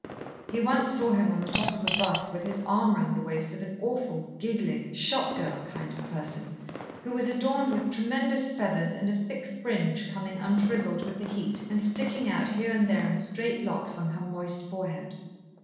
He once saw him on the top of a bus with his arm round the waist of an awful, giggling shop girl kind of person, who was adorned with tremendous feathers and a thick fringe coming unfrizzled with the heat and sticking out here and there in straight locks on her moist forehead.